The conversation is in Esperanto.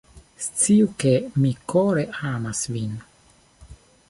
Sciu ke, mi kore amas vin